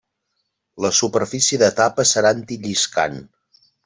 La superfície de tapa serà antilliscant.